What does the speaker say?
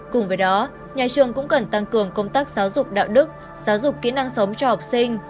cùng với đó nhà trường cũng cần tăng cường công tác giáo dục đạo đức giáo dục kỹ năng sống cho học sinh